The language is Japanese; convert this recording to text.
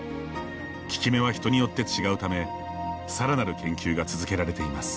効き目は人によって違うためさらなる研究が続けられています。